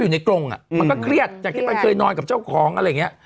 ในกรงอ่ะมันก็เครียดจากที่มันเคยนอนกับเจ้าของอะไรอย่างเงี้ย